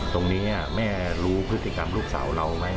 ตรงนี้แม่รู้พฤติกรรมลูกสาวเราไหม